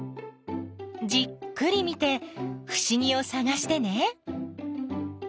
じっくり見てふしぎをさがしてね。